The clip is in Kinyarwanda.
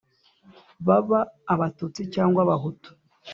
baba abatutsi cyangwa abahutu,